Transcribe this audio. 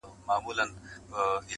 راسه چي دي حسن ته جامې د غزل وا غوندم,